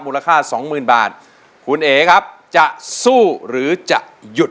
สองหมื่นบาทคุณเอ๋ครับจะสู้หรือจะหยุด